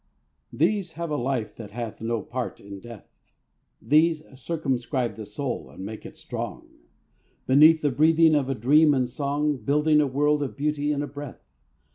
These have a life that hath no part in death; These circumscribe the soul and make it strong; Between the breathing of a dream and song, Building a world of beauty in a breath.